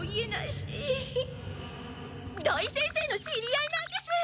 土井先生の知り合いなんです。